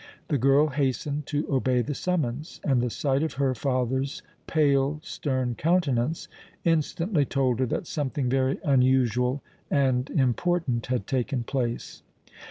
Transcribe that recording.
The girl hastened to obey the summons, and the sight of her father's pale, stern countenance instantly told her that something very unusual and important had taken place.